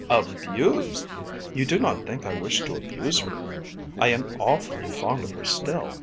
"Abused! You do not think I wish to abuse her. I am awfully fond of her still.